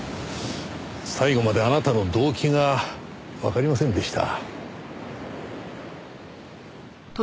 最後まであなたの動機がわかりませんでした。